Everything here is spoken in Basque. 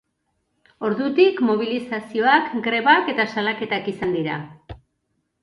Ordutik, mobilizazioak, grebak eta salaketak izan dira.